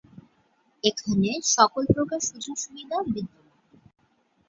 এখানে সকল প্রকার সুযোগ সুবিধা বিদ্যমান।